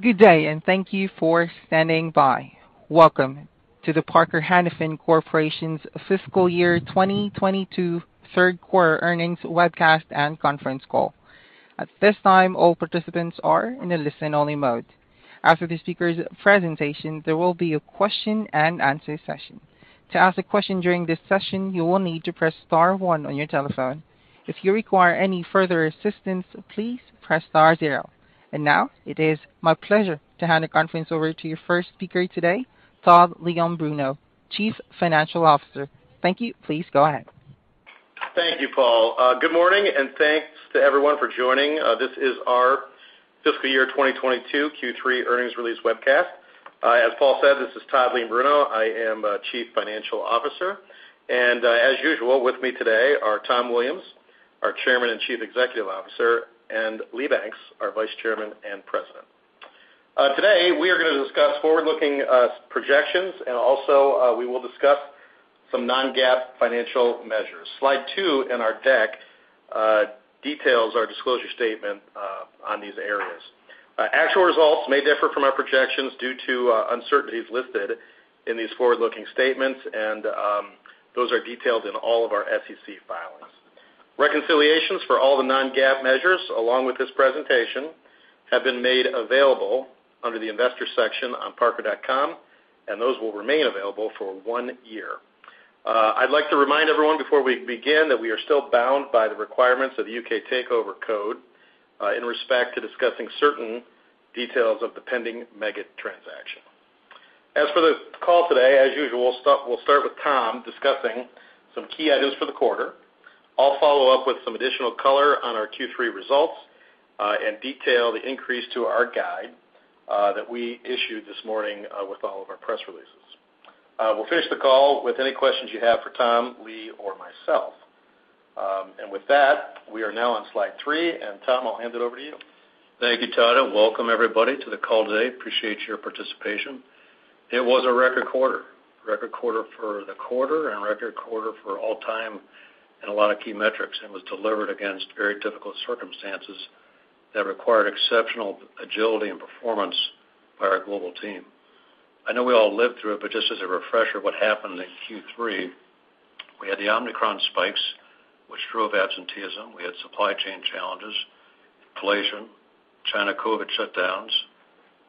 Good day, and thank you for standing by. Welcome to the Parker-Hannifin Corporation's FY22 third quarter earnings webcast and conference call. At this time, all participants are in a listen-only mode. After the speakers' presentation, there will be a question-and-answer session. To ask a question during this session, you will need to press star one on your telephone. If you require any further assistance, please press star zero. Now, it is my pleasure to hand the conference over to your first speaker today, Todd Leombruno, Chief Financial Officer. Thank you. Please go ahead. Thank you, Paul. Good morning, and thanks to everyone for joining. This is our FY22 Q3 earnings release webcast. As Paul said, this is Todd Leombruno. I am Chief Financial Officer. As usual, with me today are Tom Williams, our Chairman and Chief Executive Officer, and Lee Banks, our Vice Chairman and President. Today, we are gonna discuss forward-looking projections, and also, we will discuss some non-GAAP financial measures. Slide 2 in our deck details our disclosure statement on these areas. Actual results may differ from our projections due to uncertainties listed in these forward-looking statements, and those are detailed in all of our SEC filings. Reconciliations for all the non-GAAP measures along with this presentation have been made available under the Investors section on parker.com, and those will remain available for one year. I'd like to remind everyone, before we begin, that we are still bound by the requirements of the UK Takeover Code, in respect to discussing certain details of the pending Meggitt transaction. As for the call today, as usual, we'll start with Tom discussing some key items for the quarter. I'll follow up with some additional color on our Q3 results, and detail the increase to our guide, that we issued this morning, with all of our press releases. We'll finish the call with any questions you have for Tom, Lee, or myself. With that, we are now on Slide 3, and Tom, I'll hand it over to you. Thank you, Todd, and welcome everybody to the call today. Appreciate your participation. It was a record quarter for the quarter and record quarter for all time in a lot of key metrics, and was delivered against very difficult circumstances that required exceptional agility and performance by our global team. I know we all lived through it, but just as a refresher, what happened in Q3, we had the Omicron spikes, which drove absenteeism. We had supply chain challenges, inflation, China COVID shutdowns,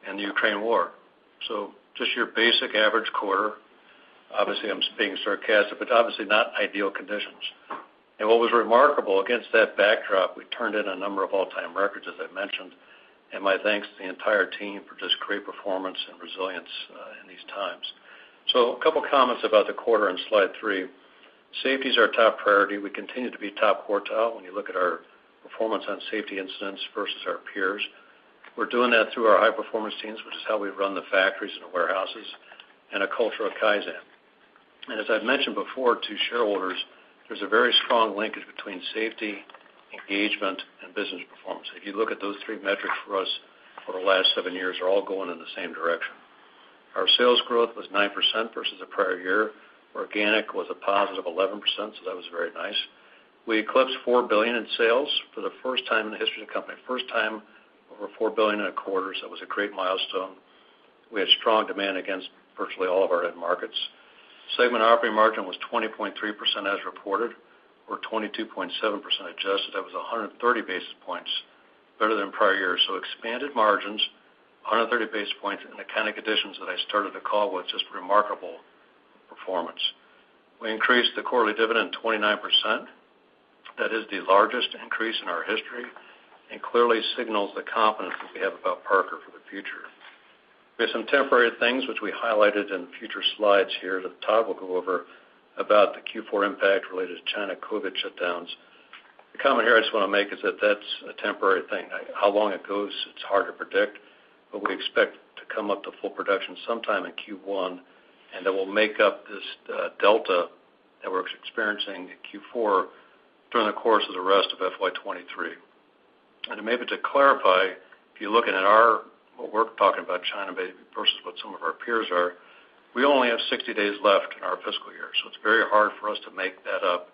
and the Ukraine war. Just your basic average quarter. Obviously, I'm being sarcastic, but obviously not ideal conditions. What was remarkable, against that backdrop, we turned in a number of all-time records, as I mentioned, and my thanks to the entire team for just great performance and resilience in these times. A couple comments about the quarter on Slide 3. Safety is our top priority. We continue to be top quartile when you look at our performance on safety incidents versus our peers. We're doing that through our high-performance teams, which is how we run the factories and the warehouses, and a culture of Kaizen. As I've mentioned before to shareholders, there's a very strong linkage between safety, engagement, and business performance. If you look at those three metrics for us for the last seven years, they're all going in the same direction. Our sales growth was 9% versus the prior year. Organic was a positive 11%, so that was very nice. We eclipsed $4 billion in sales for the first time in the history of the company. First time over $4 billion in a quarter, so it was a great milestone. We had strong demand against virtually all of our end markets. Segment operating margin was 20.3% as reported or 22.7% adjusted. That was 130 basis points better than prior year. Expanded margins, 130 basis points in the accounting additions that I started the call with, just remarkable performance. We increased the quarterly dividend 29%. That is the largest increase in our history and clearly signals the confidence that we have about Parker for the future. There's some temporary things which we highlighted in future slides here that Todd will go over about the Q4 impact related to China COVID shutdowns. The comment here I just wanna make is that that's a temporary thing. How long it goes, it's hard to predict, but we expect to come up to full production sometime in Q1, and then we'll make up this delta that we're experiencing in Q4 during the course of the rest of FY23. Maybe to clarify, if you're looking at our what we're talking about China versus what some of our peers are, we only have 60 days left in our fiscal year, so it's very hard for us to make that up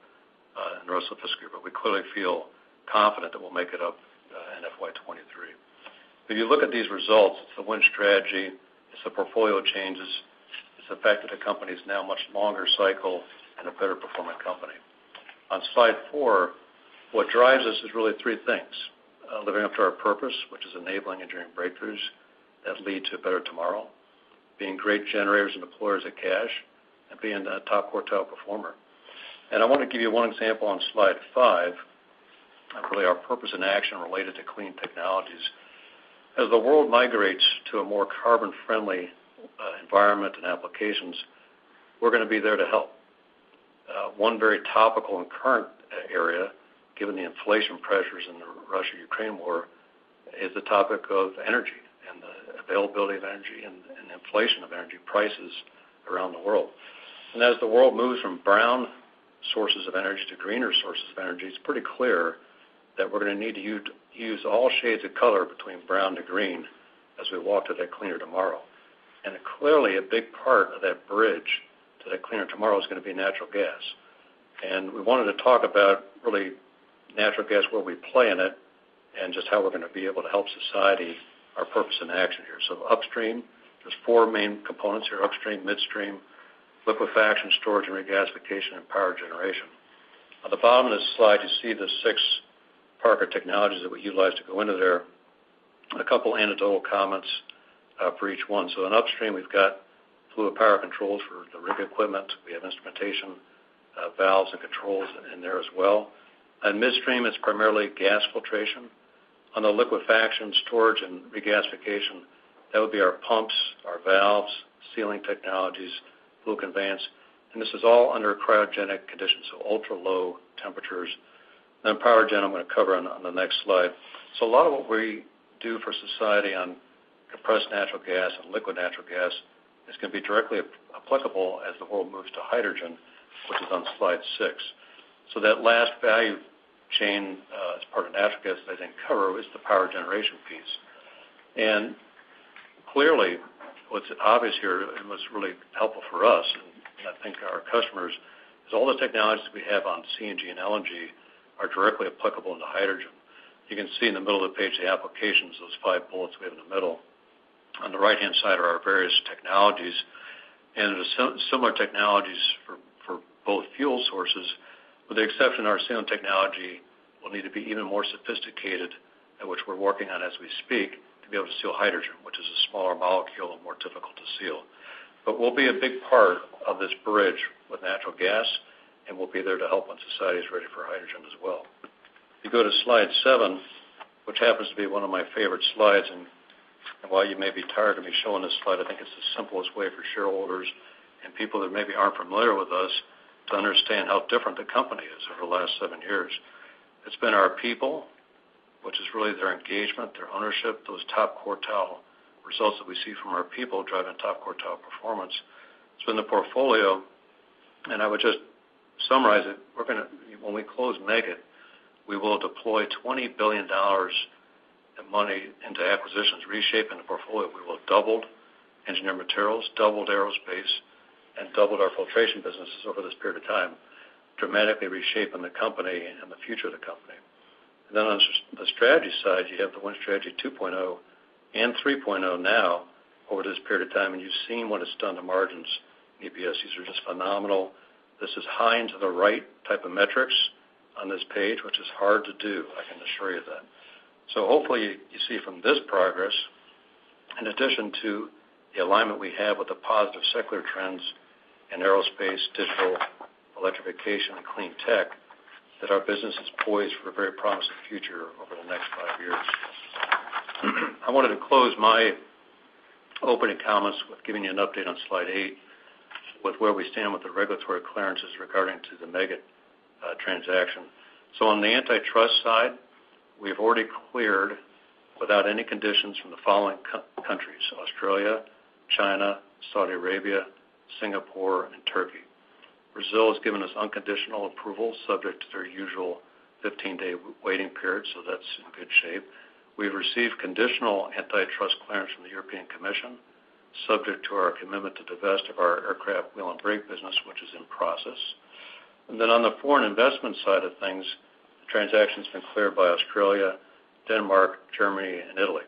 in the rest of the fiscal year. We clearly feel confident that we'll make it up in FY23. If you look at these results, it's a Win Strategy, it's the portfolio changes, it's the fact that the company's now much longer cycle and a better performing company. On Slide 4, what drives us is really three things. Living up to our purpose, which is enabling engineering breakthroughs that lead to a better tomorrow, being great generators and deployers of cash, and being a top quartile performer. I wanna give you one example on Slide 5 of really our purpose in action related to clean technologies. As the world migrates to a more carbon-friendly, environment and applications, we're gonna be there to help. One very topical and current area, given the inflation pressures in the Russia-Ukraine war, is the topic of energy and the availability of energy and inflation of energy prices around the world. As the world moves from brown sources of energy to greener sources of energy, it's pretty clear that we're gonna need to use all shades of color between brown to green as we walk to that cleaner tomorrow. Clearly, a big part of that bridge to that cleaner tomorrow is gonna be natural gas. We wanted to talk about really natural gas, where we play in it, and just how we're gonna be able to help society, our purpose in action here. Upstream, there's four main components here: upstream, midstream, liquefaction, storage and regasification, and power generation. At the bottom of this slide, you see the six Parker technologies that we utilize to go into there. A couple anecdotal comments for each one. In upstream, we've got fluid power controls for the rig equipment. We have instrumentation, valves and controls in there as well. On midstream, it's primarily gas filtration. On the liquefaction, storage and regasification, that would be our pumps, our valves, sealing technologies, flanges and vents. This is all under cryogenic conditions, so ultra-low temperatures. Power gen, I'm gonna cover on the next slide. A lot of what we do for society on compressed natural gas and liquid natural gas is gonna be directly applicable as the world moves to hydrogen, which is on Slide 6. That last value chain, as part of natural gas that I didn't cover is the power generation piece. Clearly, what's obvious here, and what's really helpful for us, and I think our customers, is all the technologies we have on CNG and LNG are directly applicable into hydrogen. You can see in the middle of the page, the applications, those five bullets we have in the middle. On the right-hand side are our various technologies. There's similar technologies for both fuel sources, with the exception our sealing technology will need to be even more sophisticated, at which we're working on as we speak, to be able to seal hydrogen, which is a smaller molecule and more difficult to seal. We'll be a big part of this bridge with natural gas, and we'll be there to help when society is ready for hydrogen as well. If you go to Slide 7, which happens to be one of my favorite slides, and while you may be tired of me showing this slide, I think it's the simplest way for shareholders and people that maybe aren't familiar with us to understand how different the company is over the last seven years. It's been our people, which is really their engagement, their ownership, those top quartile results that we see from our people driving top quartile performance. It's been the portfolio, and I would just summarize it, we're gonna when we close Meggitt, we will deploy $20 billion of money into acquisitions reshaping the portfolio. We will have doubled engineered materials, doubled aerospace, and doubled our filtration businesses over this period of time, dramatically reshaping the company and the future of the company. Then on the strategy side, you have the Win Strategy 2.0 and 3.0 now over this period of time, and you've seen what it's done to margins. EPSs are just phenomenal. This is high and to the right type of metrics on this page, which is hard to do, I can assure you that. Hopefully, you see from this progress, in addition to the alignment we have with the positive secular trends in aerospace, digital electrification, and clean tech, that our business is poised for a very promising future over the next five years. I wanted to close my opening comments with giving you an update on Slide 8 with where we stand with the regulatory clearances regarding to the Meggitt transaction. On the antitrust side, we have already cleared without any conditions from the following countries: Australia, China, Saudi Arabia, Singapore, and Turkey. Brazil has given us unconditional approval subject to their usual 15-day waiting period, so that's in good shape. We've received conditional antitrust clearance from the European Commission, subject to our commitment to divest of our aircraft wheel and brake business, which is in process. On the foreign investment side of things, the transaction's been cleared by Australia, Denmark, Germany, and Italy.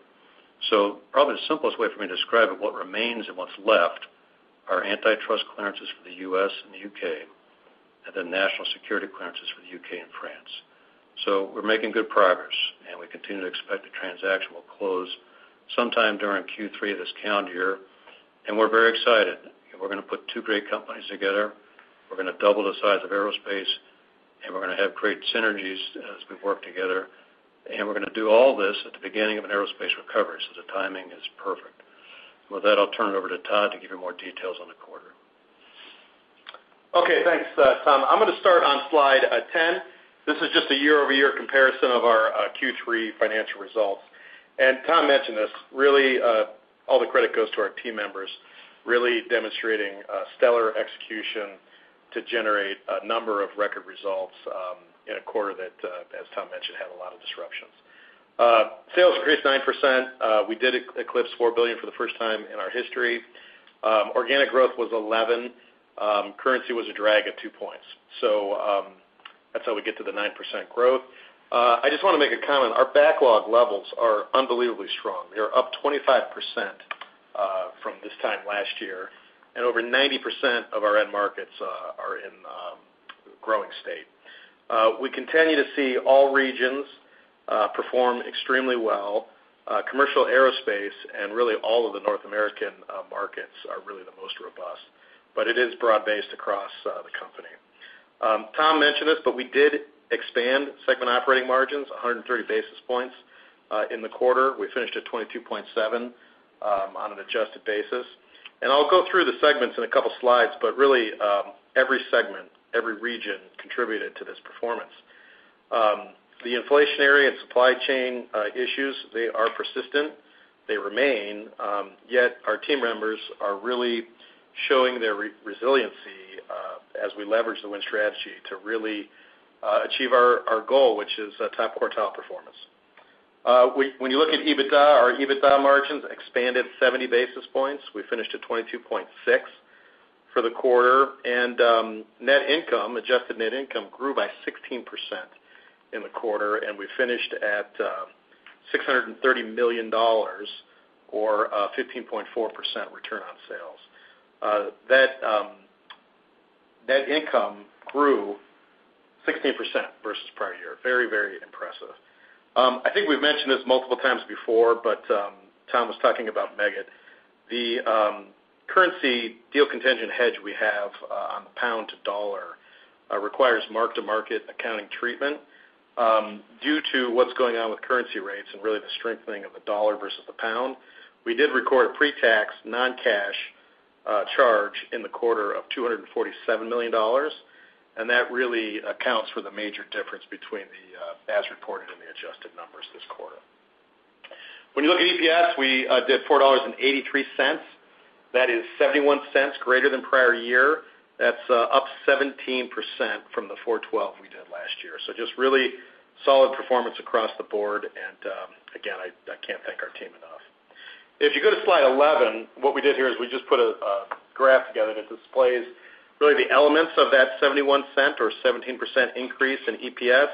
Probably the simplest way for me to describe it, what remains and what's left are antitrust clearances for the U.S. and the U.K., and then national security clearances for the U.K. and France. We're making good progress, and we continue to expect the transaction will close sometime during Q3 of this calendar year. We're very excited. We're gonna put two great companies together. We're gonna double the size of aerospace, and we're gonna have great synergies as we work together. We're gonna do all this at the beginning of an aerospace recovery, so the timing is perfect. With that, I'll turn it over to Todd to give you more details on the quarter. Okay, thanks, Tom. I'm gonna start on Slide 10. This is just a year-over-year comparison of our Q3 financial results. Tom mentioned this, really, all the credit goes to our team members, really demonstrating stellar execution to generate a number of record results in a quarter that, as Tom mentioned, had a lot of disruptions. Sales increased 9%. We did eclipse $4 billion for the first time in our history. Organic growth was 11%. Currency was a drag at two points. That's how we get to the 9% growth. I just wanna make a comment. Our backlog levels are unbelievably strong. They're up 25% from this time last year, and over 90% of our end markets are in growing state. We continue to see all regions perform extremely well. Commercial aerospace and really all of the North American markets are really the most robust. It is broad-based across the company. Tom mentioned this, but we did expand segment operating margins 130 basis points in the quarter. We finished at 22.7 on an adjusted basis. I'll go through the segments in a couple slides, but really, every segment, every region contributed to this performance. The inflationary and supply chain issues, they are persistent. They remain, yet our team members are really showing their resiliency as we leverage the Win Strategy to really achieve our goal, which is a top quartile performance. When you look at EBITDA, our EBITDA margins expanded 70 basis points. We finished at 22.6% for the quarter, and adjusted net income grew by 16% in the quarter, and we finished at $630 million or 15.4% return on sales. That net income grew 16% versus prior year. Very impressive. I think we've mentioned this multiple times before, but Tom was talking about Meggitt. The currency deal contingent hedge we have on the pound to dollar requires mark-to-market accounting treatment. Due to what's going on with currency rates and really the strengthening of the dollar versus the pound, we did record pre-tax non-cash charge in the quarter of $247 million, and that really accounts for the major difference between the as reported and the adjusted numbers this quarter. When you look at EPS, we did $4.83. That is $0.71 greater than prior year. That's up 17% from the $4.12 we did last year. Just really solid performance across the board and, again, I can't thank our team enough. If you go to Slide 11, what we did here is we just put a graph together that displays really the elements of that $0.71 or 17% increase in EPS.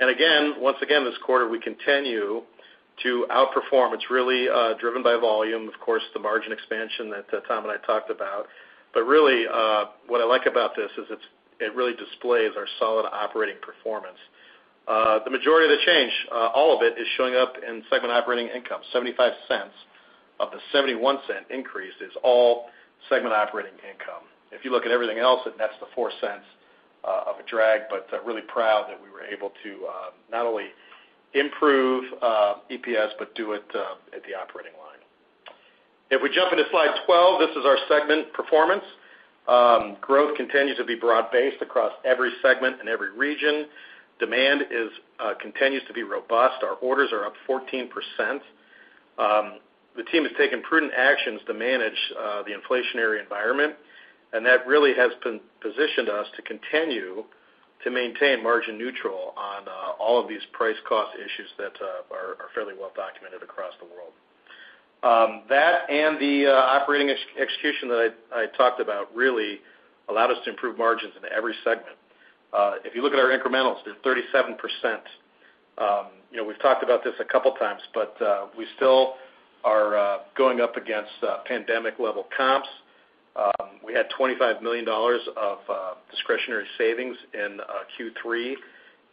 Again, once again, this quarter, we continue to outperform. It's really driven by volume, of course, the margin expansion that Tom and I talked about. Really, what I like about this is it really displays our solid operating performance. The majority of the change, all of it is showing up in segment operating income. $0.75 of the $0.71 increase is all segment operating income. If you look at everything else, it nets to $0.04 of a drag, but really proud that we were able to not only improve EPS, but do it at the operating line. If we jump into Slide 12, this is our segment performance. Growth continues to be broad-based across every segment and every region. Demand continues to be robust. Our orders are up 14%. The team has taken prudent actions to manage the inflationary environment, and that really has positioned us to continue to maintain margin neutral on all of these price cost issues that are fairly well documented across the world. That and the operating execution that I talked about really allowed us to improve margins in every segment. If you look at our incrementals, they're 37%. You know, we've talked about this a couple times, but we still are going up against pandemic level comps. We had $25 million of discretionary savings in Q3.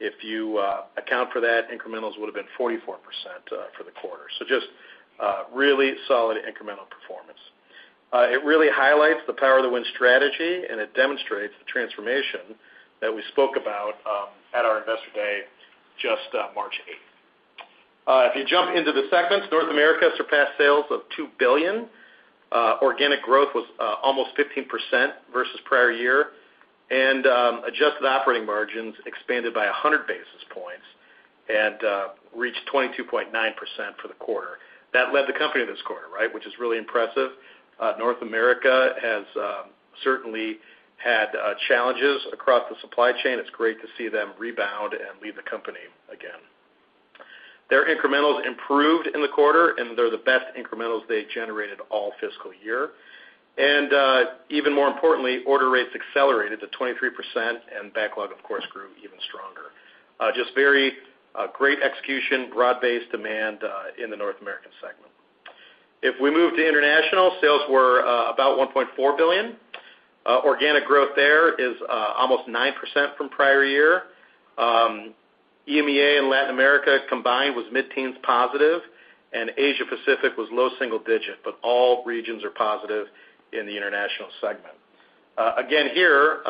If you account for that, incrementals would have been 44% for the quarter. Just really solid incremental performance. It really highlights the power of Win Strategy, and it demonstrates the transformation that we spoke about at our Investor Day just March 8. If you jump into the segments, North America surpassed sales of $2 billion. Organic growth was almost 15% versus prior year. Adjusted operating margins expanded by 100 basis points and reached 22.9% for the quarter. That led the company this quarter, right, which is really impressive. North America has certainly had challenges across the supply chain. It's great to see them rebound and lead the company again. Their incrementals improved in the quarter, and they're the best incrementals they generated all fiscal year. Even more importantly, order rates accelerated to 23%, and backlog, of course, grew even stronger. Great execution, broad-based demand in the North American segment. If we move to international, sales were about $1.4 billion. Organic growth there is almost 9% from prior year. EMEA and Latin America combined was mid-teens% positive, and Asia Pacific was low single-digit%, but all regions are positive in the international segment. Again here,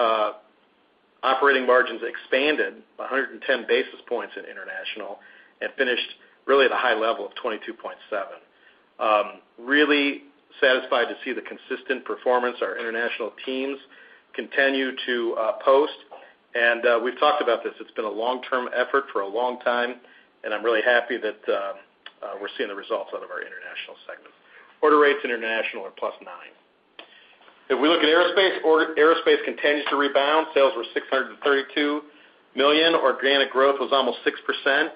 operating margins expanded 110 basis points in international and finished really at a high level of 22.7%. Really satisfied to see the consistent performance our international teams continue to post. We've talked about this. It's been a long-term effort for a long time, and I'm really happy that we're seeing the results out of our international segment. Order rates international are +9%. If we look at aerospace continues to rebound. Sales were $632 million. Organic growth was almost 6%.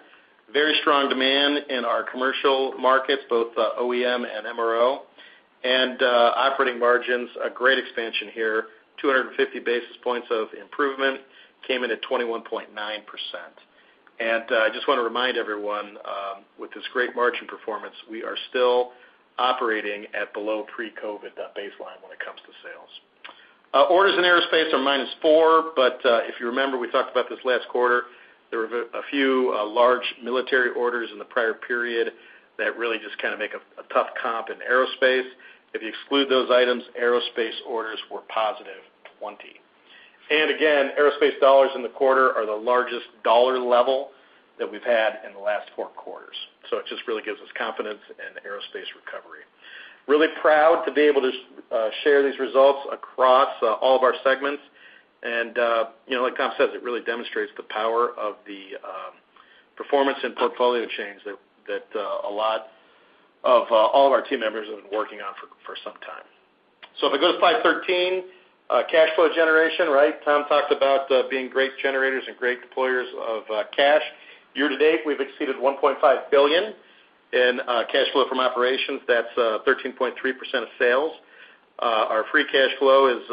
Very strong demand in our commercial markets, both OEM and MRO. Operating margins, a great expansion here, 250 basis points of improvement, came in at 21.9%. I just wanna remind everyone, with this great margin performance, we are still operating at below pre-COVID baseline when it comes to sales. Orders in aerospace are -4%, but if you remember, we talked about this last quarter, there were a few large military orders in the prior period that really just kinda make a tough comp in aerospace. If you exclude those items, aerospace orders were +20%. Again, aerospace dollars in the quarter are the largest dollar level that we've had in the last four quarters. It just really gives us confidence in aerospace recovery. Really proud to be able to share these results across all of our segments. You know, like Tom says, it really demonstrates the power of the performance and portfolio change that a lot of all of our team members have been working on for some time. If we go to Slide 13, cash flow generation, right? Tom talked about being great generators and great deployers of cash. Year-to-date, we've exceeded $1.5 billion in cash flow from operations. That's 13.3% of sales. Our free cash flow is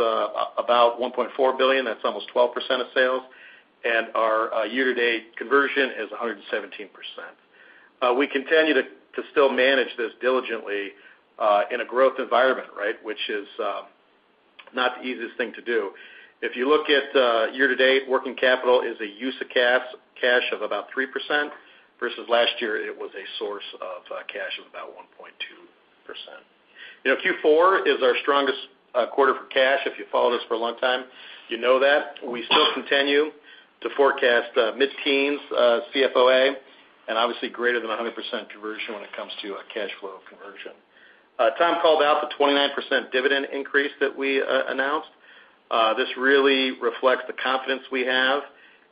about $1.4 billion. That's almost 12% of sales. Our year-to-date conversion is 117%. We continue to still manage this diligently in a growth environment, right? Which is not the easiest thing to do. If you look at year-to-date, working capital is a use of cash of about 3% versus last year, it was a source of cash of about 1.2%. You know, Q4 is our strongest quarter for cash. If you've followed us for a long time, you know that. We still continue to forecast mid-teens CFOA, and obviously greater than 100% conversion when it comes to cash flow conversion. Tom called out the 29% dividend increase that we announced. This really reflects the confidence we have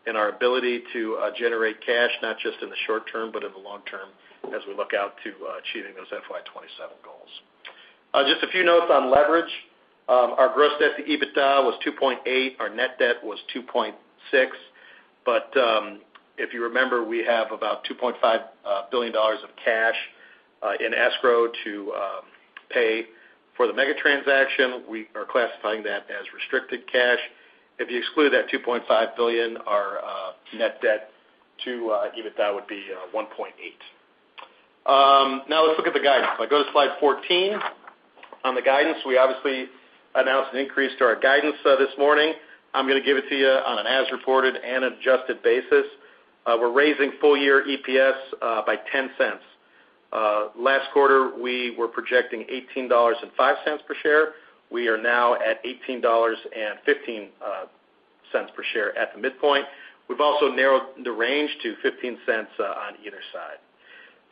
in our ability to generate cash, not just in the short term, but in the long term as we look out to achieving those FY27 goals. Just a few notes on leverage. Our gross debt to EBITDA was 2.8. Our net debt was 2.6. If you remember, we have about $2.5 billion of cash in escrow to pay for the Meggitt transaction. We are classifying that as restricted cash. If you exclude that $2.5 billion, our net debt to EBITDA would be 1.8. Now let's look at the guidance. If I go to Slide 14 on the guidance, we obviously announced an increase to our guidance this morning. I'm gonna give it to you on an as-reported and adjusted basis. We're raising full-year EPS by $0.10. Last quarter, we were projecting $18.05 per share. We are now at $18.15 per share at the midpoint. We've also narrowed the range to $0.15 on either side.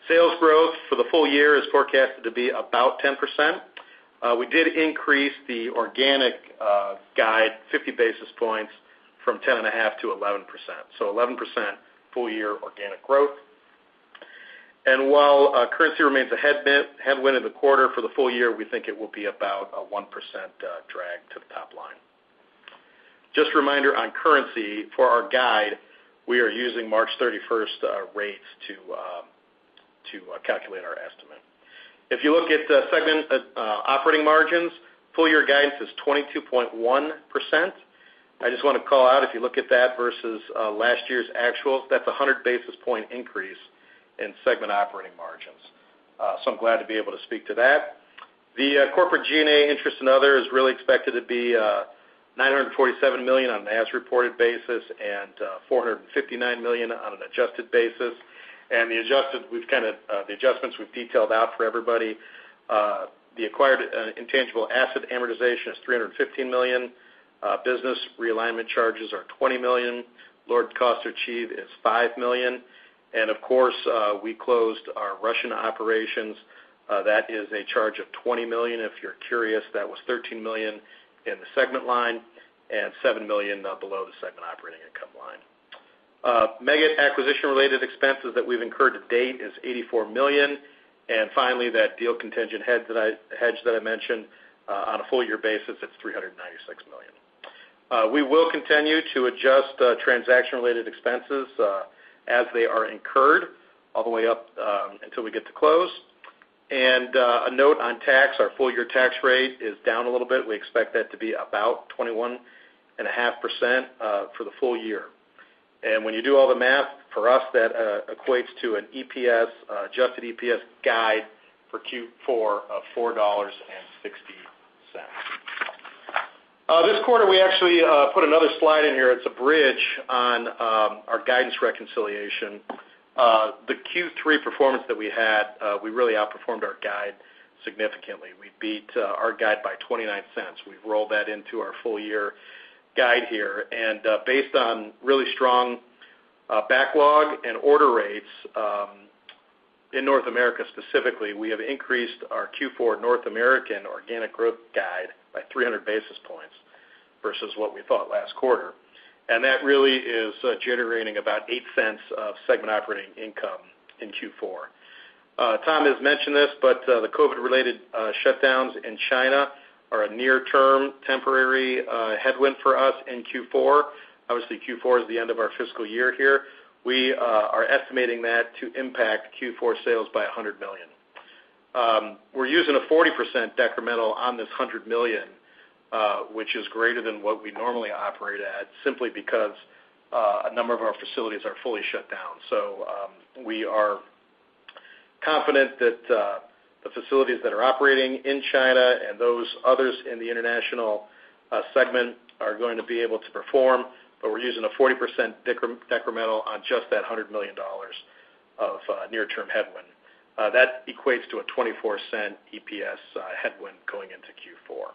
Sales growth for the full-year is forecasted to be about 10%. We did increase the organic guide 50 basis points from 10.5% to 11%. 11% full-year organic growth. While currency remains a headwind in the quarter for the full-year, we think it will be about a 1% drag to the top line. Just a reminder on currency, for our guide, we are using March 31st rates to calculate our estimate. If you look at segment operating margins, full-year guidance is 22.1%. I just want to call out, if you look at that versus last year's actuals, that's a 100 basis point increase in segment operating margins. I'm glad to be able to speak to that. The corporate G&A interest and other is really expected to be $947 million on an as-reported basis and $459 million on an adjusted basis. The adjusted, we've kind of the adjustments we've detailed out for everybody. The acquired intangible asset amortization is $315 million. Business realignment charges are $20 million. Lowered cost to achieve is $5 million. Of course, we closed our Russian operations. That is a charge of $20 million. If you're curious, that was $13 million in the segment line and $7 million below the segment operating income line. Meggitt acquisition-related expenses that we've incurred to date is $84 million. Finally, that deal contingent hedge that I mentioned on a full-year basis, it's $396 million. We will continue to adjust transaction-related expenses as they are incurred all the way up until we get to close. A note on tax, our full-year tax rate is down a little bit. We expect that to be about 21.5% for the full-year. When you do all the math, for us, that equates to an EPS, Adjusted EPS guide for Q4 of $4.60. This quarter, we actually put another slide in here. It's a bridge on our guidance reconciliation. The Q3 performance that we had, we really outperformed our guide significantly. We beat our guide by $0.29. We've rolled that into our full-year guide here. Based on really strong backlog and order rates in North America specifically, we have increased our Q4 North American organic growth guide by 300 basis points versus what we thought last quarter. That really is generating about $0.08 of segment operating income in Q4. Tom has mentioned this, but the COVID-related shutdowns in China are a near-term temporary headwind for us in Q4. Obviously, Q4 is the end of our fiscal year here. We are estimating that to impact Q4 sales by $100 million. We're using a 40% decremental on this $100 million, which is greater than what we normally operate at simply because a number of our facilities are fully shut down. We are confident that the facilities that are operating in China and those others in the international segment are going to be able to perform, but we're using a 40% decremental on just that $100 million of near-term headwind. That equates to a $0.24 EPS headwind going into Q4.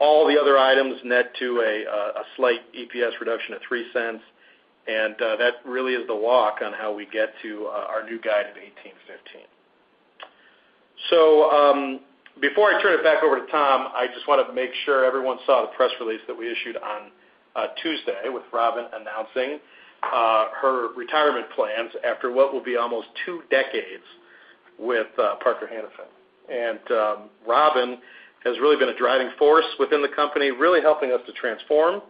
All the other items net to a slight EPS reduction of $0.03, and that really is the walk on how we get to our new guide of $18.15. Before I turn it back over to Tom, I just want to make sure everyone saw the press release that we issued on Tuesday, with Robin announcing her retirement plans after what will be almost two decades with Parker-Hannifin. Robin has really been a driving force within the company, really helping us to transform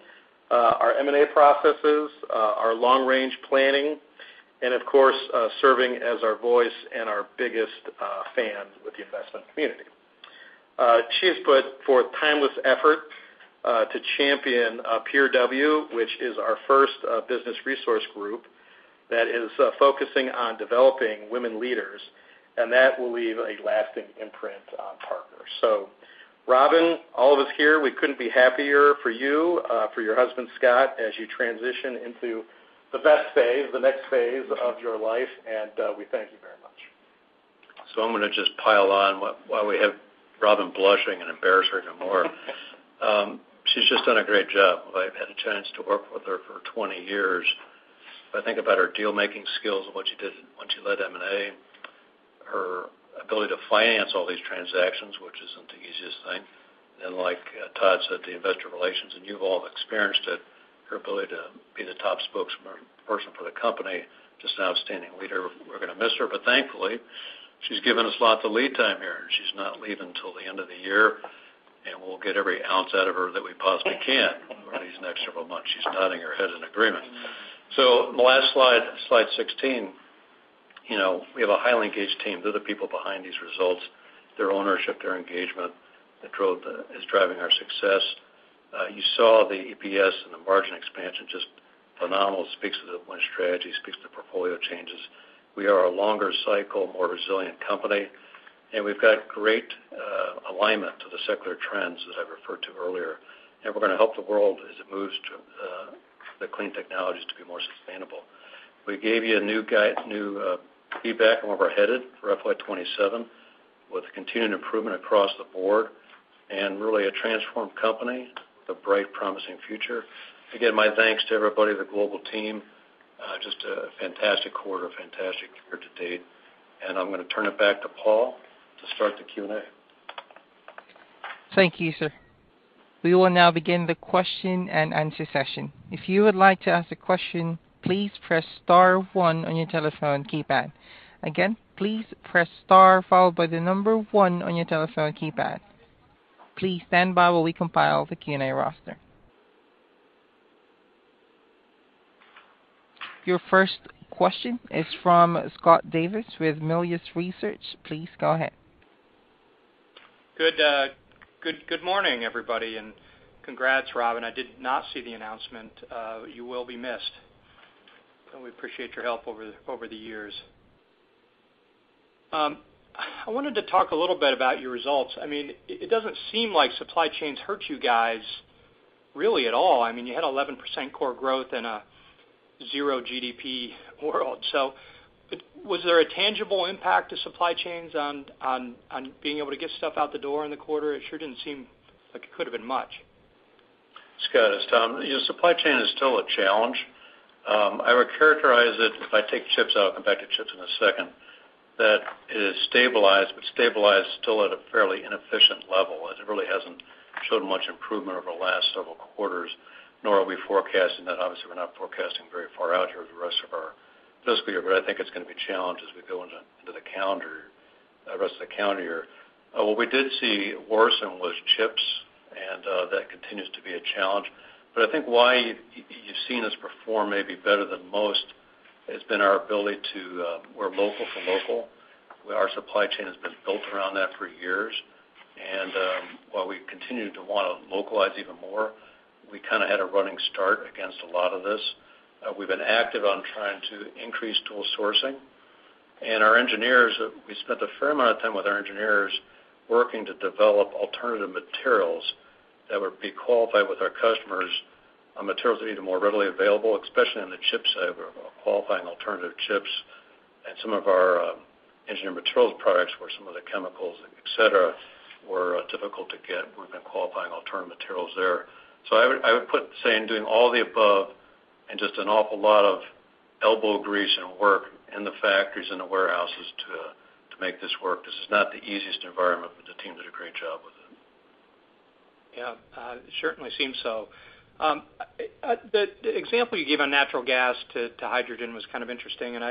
our M&A processes, our long-range planning, and of course, serving as our voice and our biggest fan with the investment community. She has put forth tireless effort to champion Peer W, which is our first business resource group that is focusing on developing women leaders, and that will leave a lasting imprint on Parker. Robin, all of us here, we couldn't be happier for you, for your husband, Scott, as you transition into the best phase, the next phase of your life, and we thank you very much. I'm gonna just pile on while we have Robin blushing and embarrass her no more. She's just done a great job. I've had a chance to work with her for 20 years. If I think about her deal-making skills and what she did when she led M&A, her ability to finance all these transactions, which isn't the easiest thing. Like Todd said, the investor relations, and you've all experienced it, her ability to be the top spokesperson for the company, just an outstanding leader. We're gonna miss her, but thankfully, she's given us lots of lead time here. She's not leaving till the end of the year, and we'll get every ounce out of her that we possibly can over these next several months. She's nodding her head in agreement. The last Slide 16, you know, we have a highly engaged team. They're the people behind these results, their ownership, their engagement that is driving our success. You saw the EPS and the margin expansion, just phenomenal. Speaks to the Win Strategy, speaks to portfolio changes. We are a longer cycle, more resilient company, and we've got great alignment to the secular trends as I referred to earlier. We're gonna help the world as it moves to the clean technologies to be more sustainable. We gave you new feedback on where we're headed for FY27 with continued improvement across the board and really a transformed company with a bright, promising future. Again, my thanks to everybody, the global team. Just a fantastic quarter, fantastic year to date. I'm gonna turn it back to Paul to start the Q&A. Thank you, sir. We will now begin the question and answer session. If you would like to ask a question, please press star one on your telephone keypad. Again, please press star followed by the number one on your telephone keypad. Please stand by while we compile the Q&A roster. Your first question is from Scott Davis with Melius Research. Please go ahead. Good morning, everybody, and congrats, Robin. I did not see the announcement. You will be missed, and we appreciate your help over the years. I wanted to talk a little bit about your results. I mean, it doesn't seem like supply chains hurt you guys really at all. I mean, you had 11% core growth in a zero GDP world. Was there a tangible impact to supply chains on being able to get stuff out the door in the quarter? It sure didn't seem like it could've been much. Scott, it's Tom. You know, supply chain is still a challenge. I would characterize it if I take chips out, I'll come back to chips in a second, that it is stabilized, but stabilized still at a fairly inefficient level. It really hasn't shown much improvement over the last several quarters, nor are we forecasting that. Obviously, we're not forecasting very far out here with the rest of our fiscal year. I think it's gonna be a challenge as we go into the calendar, the rest of the calendar year. What we did see worsen was chips, and that continues to be a challenge. I think why you've seen us perform maybe better than most has been our ability to, we're local to local. Our supply chain has been built around that for years. While we continue to wanna localize even more, we kinda had a running start against a lot of this. We've been active on trying to increase tool sourcing. Our engineers, we spent a fair amount of time with our engineers working to develop alternative materials that would be qualified with our customers on materials that are even more readily available, especially on the chip side. We're qualifying alternative chips and some of our engineering materials products, where some of the chemicals, et cetera, were difficult to get. We've been qualifying alternate materials there. I would put, say, in doing all the above and just an awful lot of elbow grease and work in the factories and the warehouses to make this work. This is not the easiest environment, but the team did a great job with it. Yeah, certainly seems so. The example you gave on natural gas to hydrogen was kind of interesting, and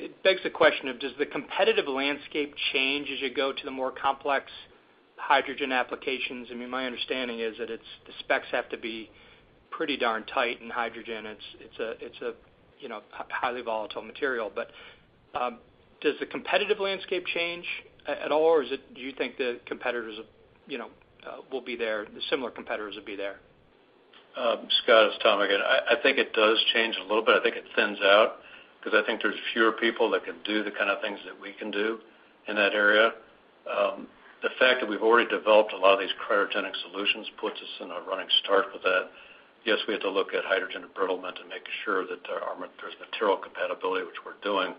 it begs the question of does the competitive landscape change as you go to the more complex hydrogen applications? I mean, my understanding is that the specs have to be pretty darn tight in hydrogen. It's a you know, highly volatile material. Does the competitive landscape change at all, or is it, do you think the competitors, you know, will be there, the similar competitors will be there? Scott, it's Tom again. I think it does change a little bit. I think it thins out 'cause I think there's fewer people that can do the kinda things that we can do in that area. The fact that we've already developed a lot of these cryogenic solutions puts us in a running start with that. Yes, we have to look at hydrogen embrittlement to make sure that there's material compatibility, which we're doing.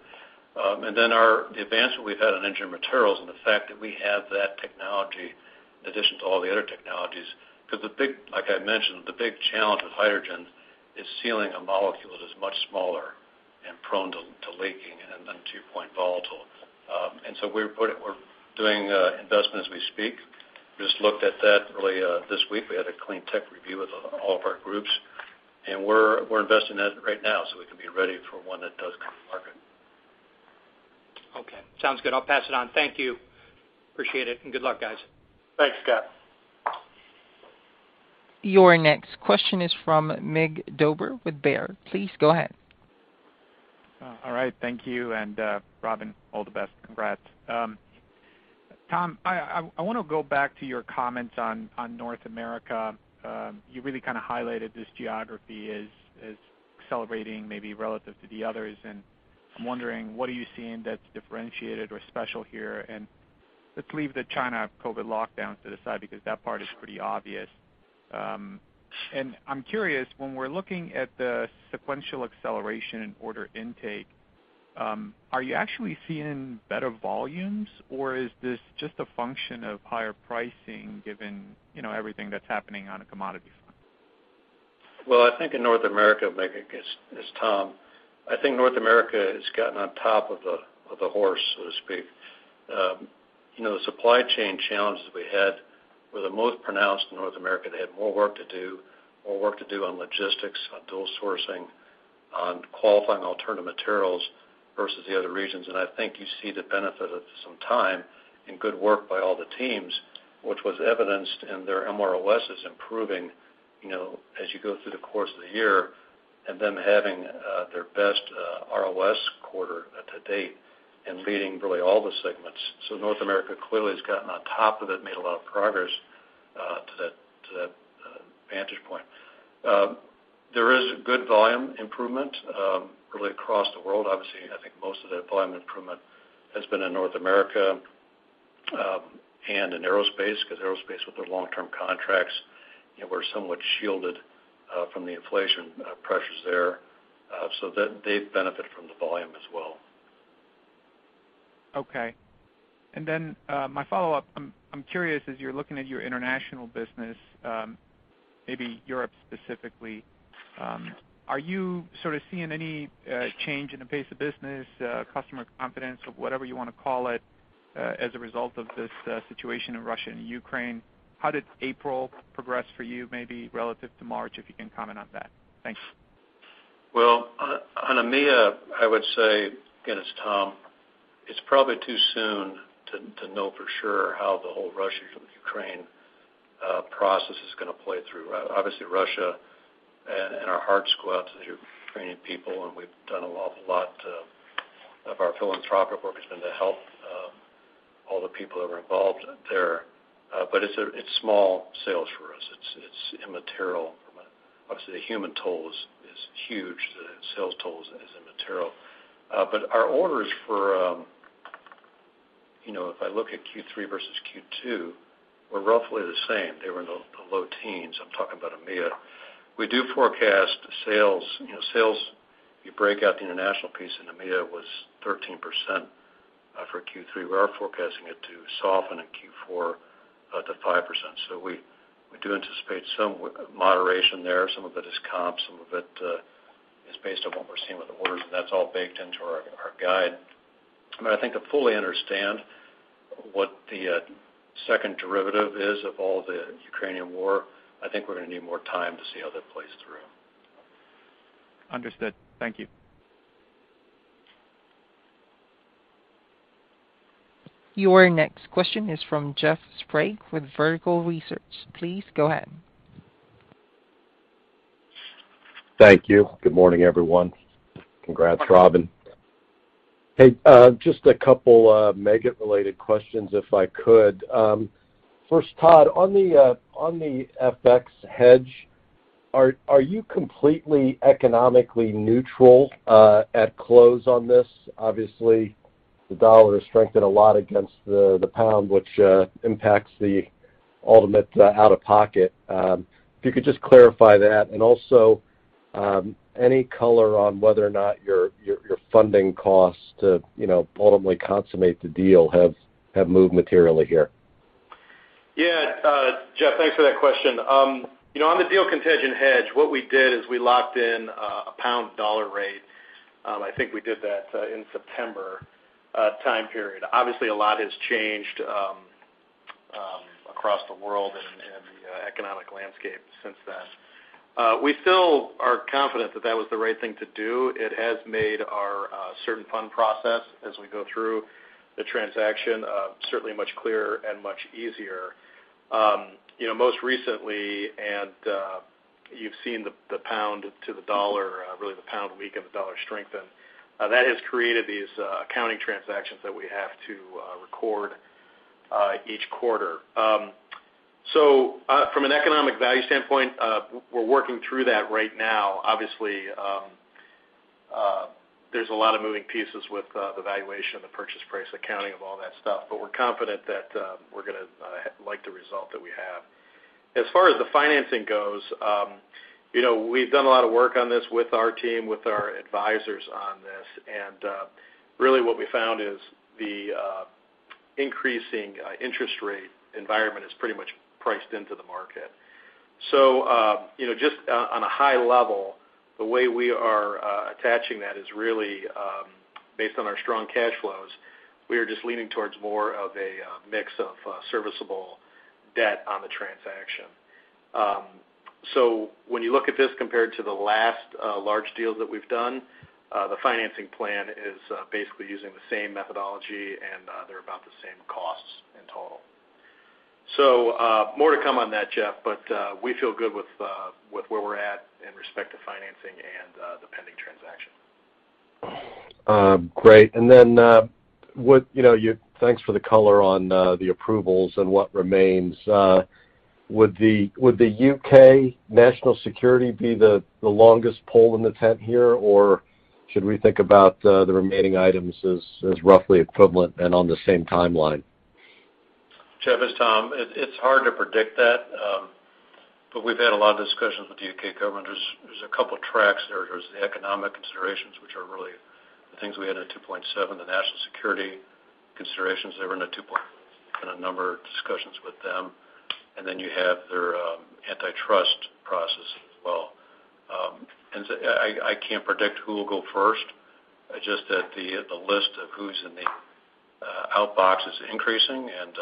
Our advancement we've had in engineering materials and the fact that we have that technology in addition to all the other technologies. 'Cause the big, like I mentioned, the big challenge with hydrogen is sealing a molecule that is much smaller and prone to leaking and it's volatile. We're doing investment as we speak. Just looked at that really this week. We had a clean tech review with all of our groups, and we're investing in that right now, so we can be ready for when it does come to market. Okay. Sounds good. I'll pass it on. Thank you. Appreciate it, and good luck, guys. Thanks, Scott. Your next question is from Mig Dobre with Baird. Please go ahead. All right. Thank you, and Robin, all the best. Congrats. Tom, I wanna go back to your comments on North America. You really kind of highlighted this geography as accelerating maybe relative to the others, and I'm wondering, what are you seeing that's differentiated or special here? Let's leave the China COVID lockdowns to the side because that part is pretty obvious. I'm curious, when we're looking at the sequential acceleration in order intake, are you actually seeing better volumes, or is this just a function of higher pricing given, you know, everything that's happening on a commodity front? I think in North America, Mig, it's Tom. I think North America has gotten on top of the horse, so to speak. You know, the supply chain challenges we had were the most pronounced in North America. They had more work to do on logistics, on dual sourcing, on qualifying alternative materials versus the other regions. I think you see the benefit of some time and good work by all the teams, which was evidenced in their ROS improving, you know, as you go through the course of the year and them having their best ROS quarter to date and leading really all the segments. North America clearly has gotten on top of it, made a lot of progress to that vantage point. There is good volume improvement, really across the world. Obviously, I think most of that volume improvement has been in North America, and in aerospace, 'cause aerospace with their long-term contracts, you know, we're somewhat shielded from the inflation pressures there. That they benefit from the volume as well. Okay. My follow-up, I'm curious as you're looking at your international business, maybe Europe specifically, are you sort of seeing any change in the pace of business, customer confidence or whatever you wanna call it, as a result of this situation in Russia and Ukraine? How did April progress for you, maybe relative to March, if you can comment on that? Thanks. Well, on EMEA, I would say, again, it's Tom. It's probably too soon to know for sure how the whole Russia-Ukraine process is gonna play through. Obviously, Russia and our hearts go out to the Ukrainian people, and we've done an awful lot of our philanthropic work has been to help all the people that are involved there. It's small sales for us. It's immaterial from a, obviously the human toll is huge. The sales toll is immaterial. Our orders for, you know, if I look at Q3 versus Q2, were roughly the same. They were in the low teens. I'm talking about EMEA. We do forecast sales. You know, sales, you break out the international piece, and EMEA was 13% for Q3. We are forecasting it to soften in Q4 to 5%. We do anticipate some moderation there. Some of it is comp. Some of it is based on what we're seeing with the orders, and that's all baked into our guide. I think to fully understand what the second derivative is of all the Ukrainian war, I think we're gonna need more time to see how that plays through. Understood. Thank you. Your next question is from Jeff Sprague with Vertical Research. Please go ahead. Thank you. Good morning, everyone. Congrats, Robin. Hey, just a couple Meggitt related questions if I could. First, Todd, on the FX hedge, are you completely economically neutral at close on this? Obviously the dollar has strengthened a lot against the pound which impacts the ultimate out of pocket. If you could just clarify that, and also any color on whether or not your funding costs to, you know, ultimately consummate the deal have moved materially here. Yeah. Jeff, thanks for that question. You know, on the deal contingent hedge, what we did is we locked in a pound dollar rate. I think we did that in September time period. Obviously a lot has changed across the world and in the economic landscape since then. We still are confident that that was the right thing to do. It has made our certain fund process as we go through the transaction certainly much clearer and much easier. You know, most recently and you've seen the pound to the dollar really the pound weaken, the dollar strengthen. That has created these accounting transactions that we have to record each quarter. So, from an economic value standpoint, we're working through that right now. Obviously, there's a lot of moving pieces with the valuation of the purchase price, accounting of all that stuff, but we're confident that we're gonna like the result that we have. As far as the financing goes, you know, we've done a lot of work on this with our team, with our advisors on this. Really what we found is increasing interest rate environment is pretty much priced into the market. You know, just on a high level, the way we are attaching that is really based on our strong cash flows. We are just leaning towards more of a mix of serviceable debt on the transaction. When you look at this compared to the last large deals that we've done, the financing plan is basically using the same methodology, and they're about the same costs in total. More to come on that, Jeff, but we feel good with where we're at in respect to financing and the pending transaction. Great. Thanks for the color on the approvals and what remains. You know, would the U.K. national security be the longest pole in the tent here, or should we think about the remaining items as roughly equivalent and on the same timeline? Jeff, it's Tom. It's hard to predict that, but we've had a lot of discussions with the U.K. government. There's a couple tracks there. There's the economic considerations, which are really the things we had in the 2.7, the national security considerations that were in the 2.7 in a number of discussions with them. Then you have their antitrust process as well. I can't predict who will go first, just that the list of who's in the outbox is increasing, and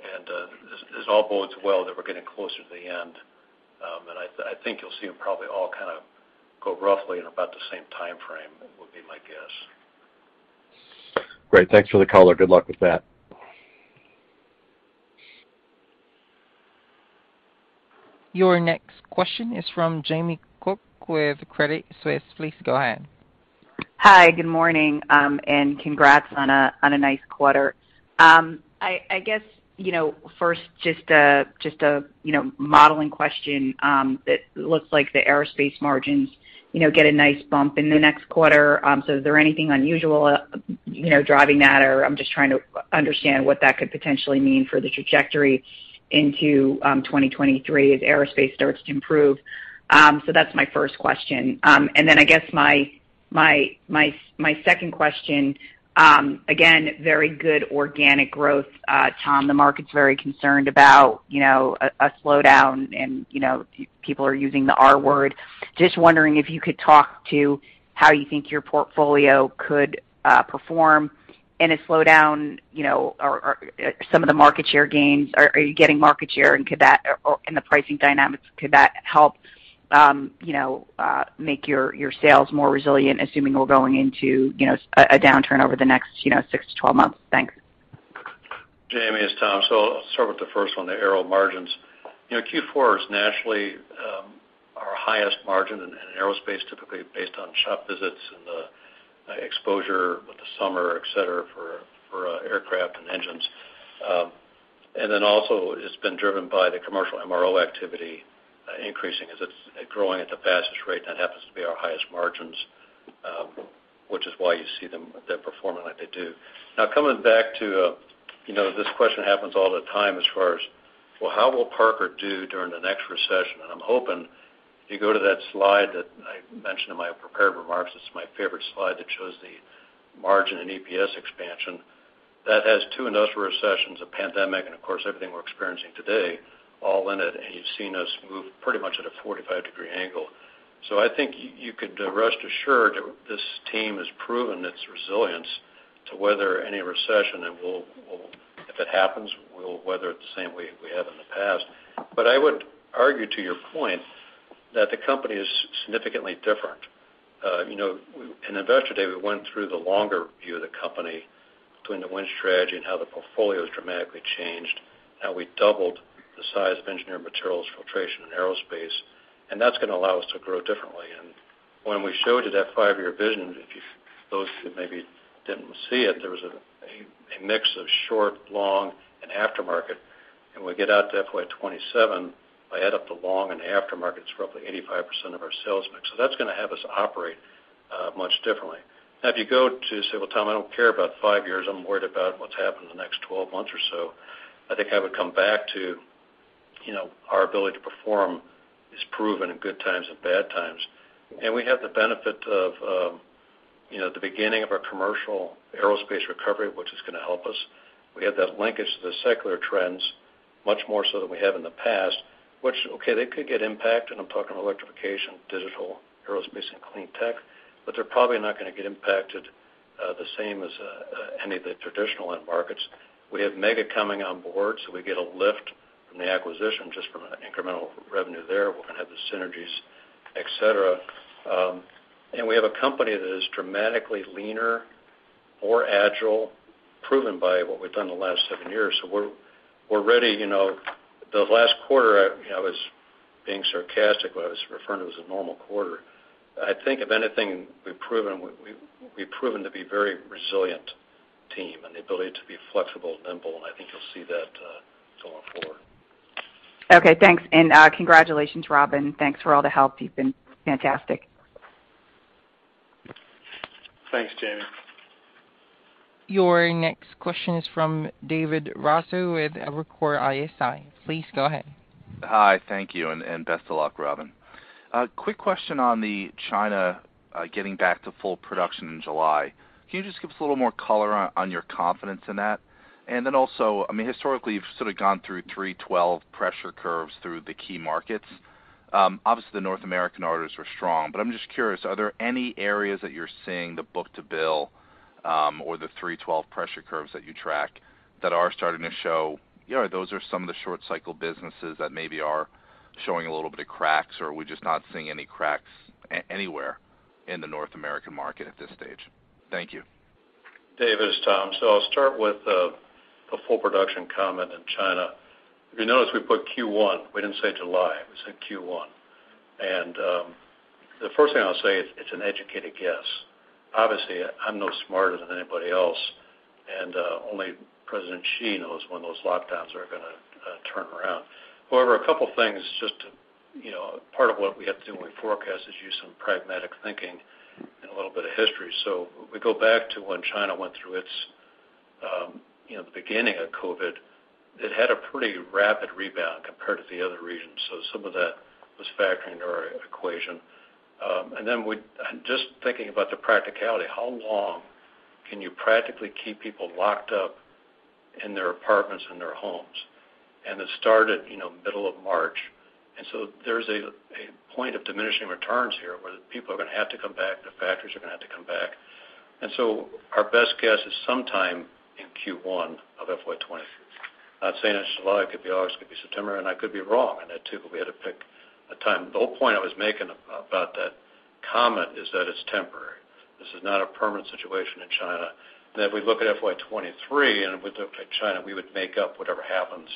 this all bodes well that we're getting closer to the end. I think you'll see them probably all kind of go roughly in about the same timeframe, would be my guess. Great. Thanks for the color. Good luck with that. Your next question is from Jamie Cook with Credit Suisse. Please go ahead. Hi. Good morning, and congrats on a nice quarter. I guess, you know, first, just a modeling question. It looks like the aerospace margins, you know, get a nice bump in the next quarter. So is there anything unusual, you know, driving that? Or I'm just trying to understand what that could potentially mean for the trajectory into 2023 as aerospace starts to improve. So that's my first question. And then I guess my second question, again, very good organic growth, Tom. The market's very concerned about, you know, a slowdown and, you know, people are using the R word. Just wondering if you could talk to how you think your portfolio could perform in a slowdown, you know, or some of the market share gains. Are you getting market share, and could that or the pricing dynamics help, you know, make your sales more resilient, assuming we're going into, you know, a downturn over the next, you know, six to 12 months? Thanks. Jamie, it's Tom. I'll start with the first one, the aero margins. You know, Q4 is naturally our highest margin in aerospace, typically based on shop visits and exposure with the summer, et cetera, for aircraft and engines. Also it's been driven by the commercial MRO activity increasing as it's growing at the fastest rate, and it happens to be our highest margins, which is why you see them performing like they do. Now coming back to, you know, this question happens all the time as far as, well, how will Parker-Hannifin do during the next recession? I'm hoping if you go to that slide that I mentioned in my prepared remarks, it's my favorite slide that shows the margin and EPS expansion. That has two industrial recessions, a pandemic, and of course, everything we're experiencing today all in it, and you've seen us move pretty much at a 45-degree angle. I think you could rest assured this team has proven its resilience to weather any recession, and if it happens, we'll weather it the same way we have in the past. I would argue to your point that the company is significantly different. You know, in Investor Day, we went through the longer view of the company between the Win Strategy and how the portfolio has dramatically changed, how we doubled the size of engineered materials, filtration, and aerospace, and that's gonna allow us to grow differently. When we showed you that five-year vision, those who maybe didn't see it, there was a mix of short, long, and aftermarket. When we get out to FY27, if I add up the OEM and aftermarket, it's roughly 85% of our sales mix. That's gonna have us operate much differently. Now if you go to say, "Well, Tom, I don't care about five years, I'm worried about what's happening in the next 12 months or so," I think I would come back to, you know, our ability to perform is proven in good times and bad times. We have the benefit of, you know, the beginning of our commercial aerospace recovery, which is gonna help us. We have that linkage to the secular trends much more so than we have in the past, which they could get impacted, and I'm talking about electrification, digital, aerospace, and clean tech, but they're probably not gonna get impacted the same as any of the traditional end markets. We have Meggitt coming on board, so we get a lift from the acquisition just from an incremental revenue there. We're gonna have the synergies, et cetera. We have a company that is dramatically leaner, more agile, proven by what we've done in the last seven years. We're ready. You know, the last quarter, you know, I was being sarcastic when I was referring to it as a normal quarter. I think if anything, we've proven to be very resilient team and the ability to be flexible and nimble, and I think you'll see that going forward. Okay, thanks. Congratulations, Robin. Thanks for all the help. You've been fantastic. Thanks, Jamie. Your next question is from David Raso with Evercore ISI. Please go ahead. Hi, thank you and best of luck, Robin. A quick question on China getting back to full production in July. Can you just give us a little more color on your confidence in that? Then also, I mean, historically, you've sort of gone through 3/12 pressure curves through the key markets. Obviously, the North American orders were strong, but I'm just curious, are there any areas that you're seeing the book-to-bill or the 3/12 pressure curves that you track that are starting to show, you know, those are some of the short cycle businesses that maybe are showing a little bit of cracks, or are we just not seeing any cracks anywhere in the North American market at this stage? Thank you. David, it's Tom. I'll start with the full production comment in China. If you notice, we put Q1, we didn't say July, we said Q1. The first thing I'll say is it's an educated guess. Obviously, I'm no smarter than anybody else, and only President Xi knows when those lockdowns are gonna turn around. However, a couple things just to, you know, part of what we have to do when we forecast is use some pragmatic thinking and a little bit of history. We go back to when China went through its, you know, the beginning of COVID, it had a pretty rapid rebound compared to the other regions. Some of that was factored into our equation. Just thinking about the practicality, how long can you practically keep people locked up in their apartments and their homes? It started, you know, middle of March. There's a point of diminishing returns here where the people are gonna have to come back, the factories are gonna have to come back. Our best guess is sometime in Q1 of FY20. Not saying it's July, it could be August, it could be September, and I could be wrong on that too, but we had to pick a time. The whole point I was making about that comment is that it's temporary. This is not a permanent situation in China. If we look at FY23, and if we look at China, we would make up whatever happens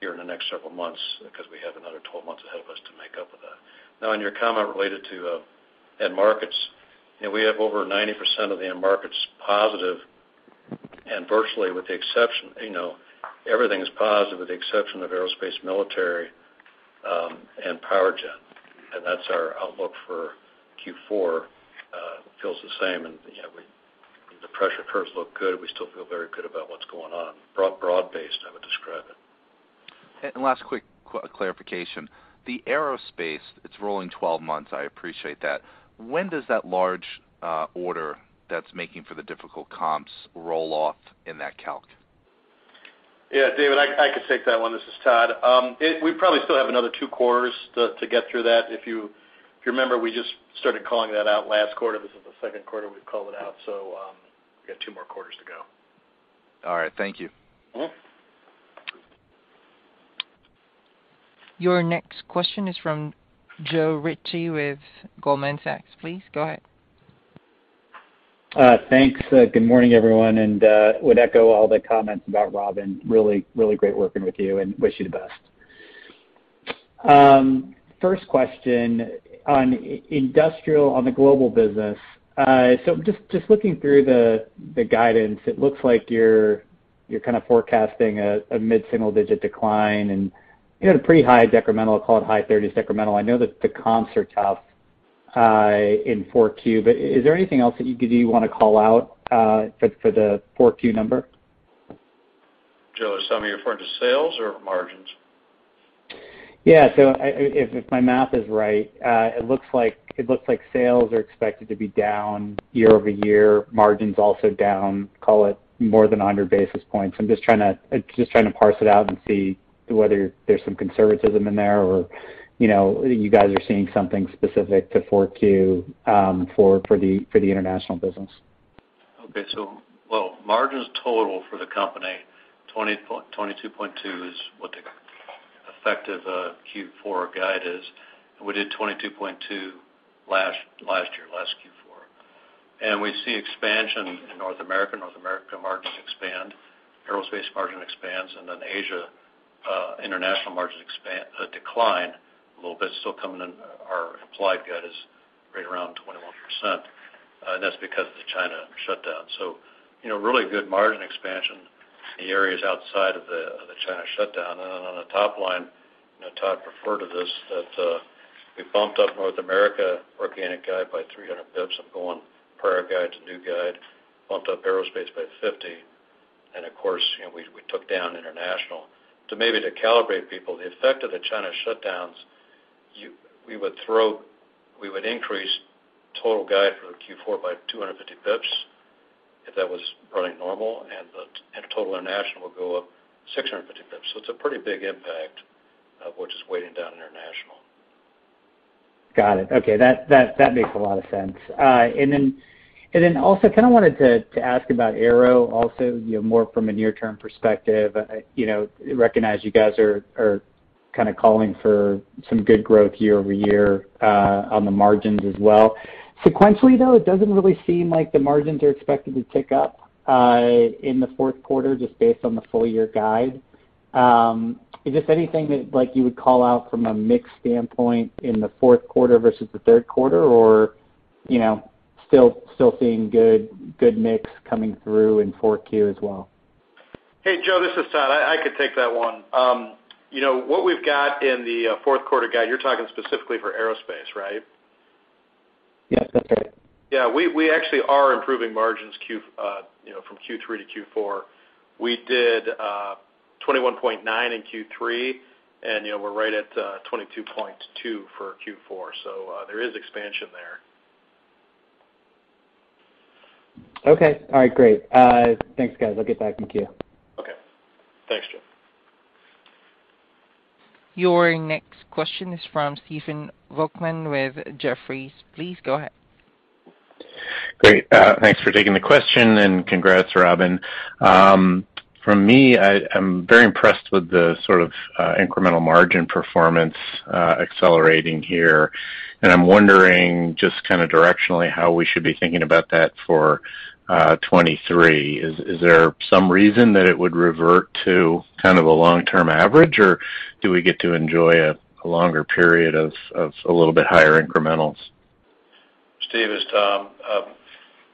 here in the next several months because we have another 12 months ahead of us to make up with that. Now in your comment related to end markets, you know, we have over 90% of the end markets positive. Virtually with the exception, you know, everything is positive with the exception of aerospace, military, and power gen. That's our outlook for Q4. It feels the same. You know, the pressure curves look good. We still feel very good about what's going on. Broad-based, I would describe it. Last quick clarification. The aerospace, it's rolling 12 months, I appreciate that. When does that large order that's making for the difficult comps roll off in that calc? Yeah, David, I can take that one. This is Todd. We probably still have another two quarters to get through that. If you remember, we just started calling that out last quarter. This is the second quarter we've called it out, so we got two more quarters to go. All right. Thank you. Your next question is from Joe Ritchie with Goldman Sachs. Please go ahead. Thanks. Good morning, everyone. Would echo all the comments about Robin. Really great working with you and wish you the best. First question on industrial, on the global business. So just looking through the guidance, it looks like you're kind of forecasting a mid-single-digit decline, and you had a pretty high decremental, I'll call it high 30s decremental. I know that the comps are tough in 4Q. Is there anything else that you wanna call out for the 4Q number? Joe, are you referring to sales or margins? Yeah. If my math is right, it looks like sales are expected to be down year-over-year, margins also down, call it more than 100 basis points. I'm just trying to parse it out and see whether there's some conservatism in there or, you know, you guys are seeing something specific to 4Q, for the international business. Margins total for the company, 22.2% is what the effective Q4 guide is. We did 22.2% last year Q4. We see expansion in North America. North America margins expand, aerospace margin expands, and then Asia international margins decline a little bit. Coming in, our implied guide is right around 21%, and that's because of the China shutdown. You know, really good margin expansion in the areas outside of the China shutdown. Then on the top line, I know Todd referred to this, that we bumped up North America organic guide by 300 basis points from the prior guide to new guide, bumped up aerospace by 50 basis points. Of course, you know, we took down international. To maybe calibrate people, the effect of the China shutdowns, we would increase total guide for Q4 by 250 basis points if that was running normal, and total international would go up 650 basis points. It's a pretty big impact of what is weighing down international. Got it. Okay. That makes a lot of sense. Then also kinda wanted to ask about Aero also, you know, more from a near-term perspective. You know, recognize you guys are kind of calling for some good growth year-over-year on the margins as well. Sequentially, though, it doesn't really seem like the margins are expected to tick up in the fourth quarter just based on the full-year guide. Is this anything that, like, you would call out from a mix standpoint in the fourth quarter versus the third quarter? Or, you know, still seeing good mix coming through in 4Q as well? Hey, Joe, this is Todd. I could take that one. You know, what we've got in the fourth quarter guide, you're talking specifically for aerospace, right? Yes, that's right. Yeah. We actually are improving margins, you know, from Q3 to Q4. We did 21.9% in Q3, and, you know, we're right at 22.2% for Q4. There is expansion there. Okay. All right, great. Thanks, guys. I'll get back in queue. Okay. Thanks, Joe. Your next question is from Stephen Volkmann with Jefferies. Please go ahead. Great. Thanks for taking the question, and congrats, Robin. For me, I'm very impressed with the sort of incremental margin performance accelerating here, and I'm wondering just kinda directionally how we should be thinking about that for 2023. Is there some reason that it would revert to kind of a long-term average, or do we get to enjoy a longer period of a little bit higher incrementals? Steve, it's Tom.